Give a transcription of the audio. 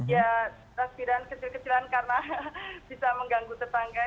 ya takdiran kecil kecilan karena bisa mengganggu tetangga